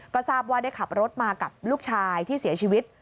ก็ทราบว่าได้ขับรถมากับลูกชายที่เสียชีวิต